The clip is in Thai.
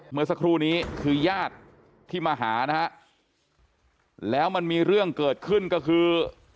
เมื่อสักครู่นี้คือญาติที่มาหานะฮะแล้วมันมีเรื่องเกิดขึ้นก็คือ